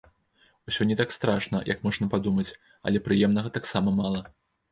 Усё не так страшна, як можна падумаць, але прыемнага таксама мала.